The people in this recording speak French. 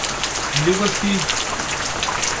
Les voici !